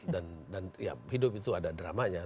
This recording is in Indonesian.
dan hidup itu ada dramanya